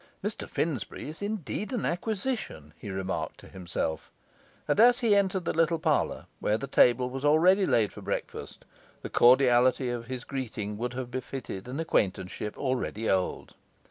'Mr Finsbury is indeed an acquisition,' he remarked to himself; and as he entered the little parlour, where the table was already laid for breakfast, the cordiality of his greeting would have befitted an acquaintanceship already old.